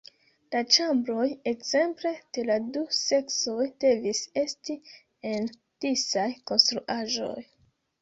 La ĉambroj, ekzemple, de la du seksoj devis esti en disaj konstruaĵoj.